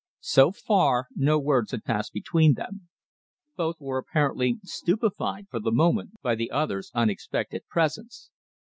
So far no words had passed between them. Both were apparently stupefied for the moment by the other's unexpected presence.